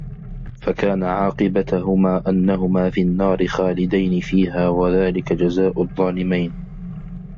فَكانَ عاقِبَتَهُما أَنَّهُما فِي النّارِ خالِدَينِ فيها وَذلِكَ جَزاءُ الظّالِمينَ